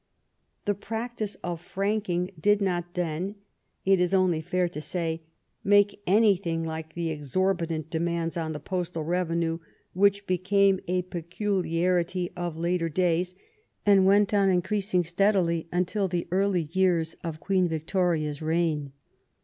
The practice of franking did not then, it is only fair to say, make anything like the exorbitant demands on the postal revenue which became a peculiarity of later days, and went on increasing steadily until the early years of Queen Victoria's reign.